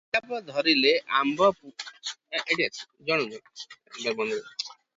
ହିସାବ ଧରିଲେ ଆମ୍ଭମାନଙ୍କ ପୂର୍ବପୁରୁଷ ସମସ୍ତେ ତନ୍ତୀ ଥିଲେ ।